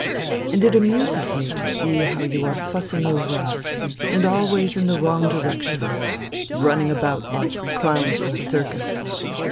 And it amuses me to see how you are fussing over us and always in the wrong direction, running about like clowns in a circus.